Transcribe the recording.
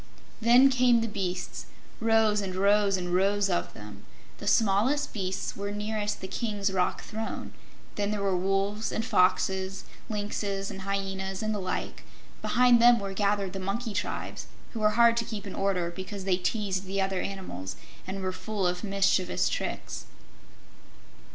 Then came the beasts rows and rows and rows of them! The smallest beasts were nearest the King's rock throne; then there were wolves and foxes, lynxes and hyenas, and the like; behind them were gathered the monkey tribes, who were hard to keep in order because they teased the other animals and were full of mischievous tricks.